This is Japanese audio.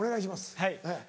はい。